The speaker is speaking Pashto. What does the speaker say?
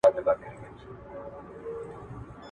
دا د صنعتي کېدو لاره ده.